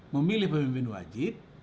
memilih pemimpin wajib